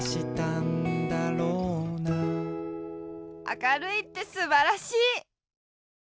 あかるいってすばらしい！